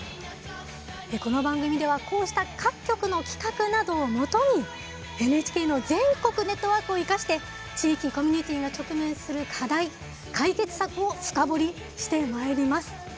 この番組ではこうした各局の企画などをもとにＮＨＫの全国ネットワークを生かして地域コミュニティーが直面する課題解決策を深掘りしてまいります。